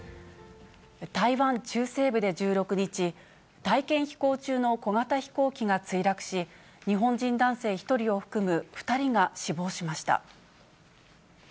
台湾中西部で１６日、体験飛行中の小型飛行機が墜落し、日本人男性１人を含む２人が死亡しました。